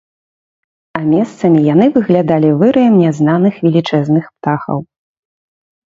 А месцамі яны выглядалі выраем нязнаных велічэзных птахаў.